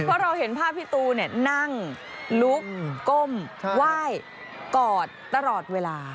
เพราะเราเห็นภาพพี่ตูนั่งลุกก้มไหว้กอดตลอดเวลา